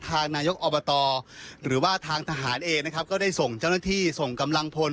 นายกอบตหรือว่าทางทหารเองนะครับก็ได้ส่งเจ้าหน้าที่ส่งกำลังพล